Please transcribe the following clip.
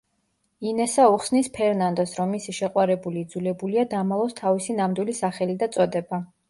ინესა უხსნის ფერნანდოს, რომ მისი შეყვარებული იძულებულია დამალოს თავისი ნამდვილი სახელი და წოდება.